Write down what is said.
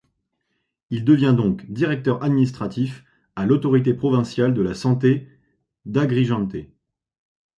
Il devient donc directeur administratif à l'autorité provinciale de la santé d'Agrigente.